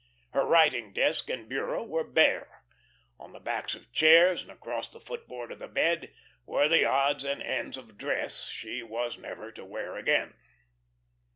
Her writing desk and bureau were bare. On the backs of chairs, and across the footboard of the bed, were the odds and ends of dress she was never to wear again.